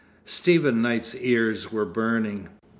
Stephen Knight's ears were burning.